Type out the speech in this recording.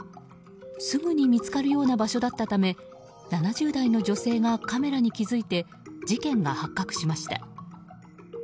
すぐに見つかるような場所だったため７０代の女性がカメラに気づいて事件が発覚しました。